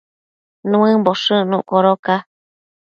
Nuëmboshë icnuc codoca